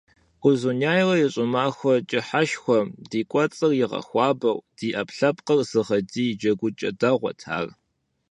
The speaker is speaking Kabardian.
Узуняйла и щӀымахуэ кӀыхьышхуэм ди кӀуэцӀыр игъэхуабэу, ди Ӏэпкълъэпкъыр зыгъэдий джэгукӀэ дэгъуэт ар.